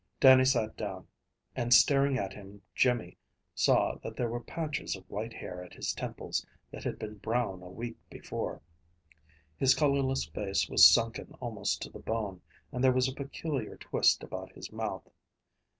Dannie sat down, and staring at him Jimmy saw that there were patches of white hair at his temples that had been brown a week before; his colorless face was sunken almost to the bone, and there was a peculiar twist about his mouth.